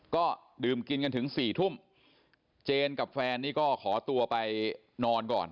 ก็ดื่มกินกันถึงสี่ทุ่มเจนกับแฟนนี่ก็ขอตัวไปนอนก่อน